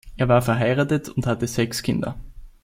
Er war verheiratet und hatte sechs Kinder.